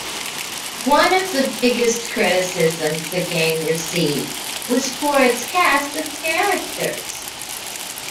One of the biggest criticisms the game received was for its cast of characters.